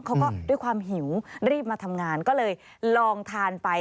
เขาก็ด้วยความหิวรีบมาทำงานก็เลยลองทานไป